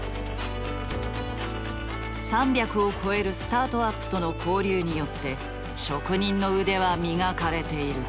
３００を超えるスタートアップとの交流によって職人の腕は磨かれている。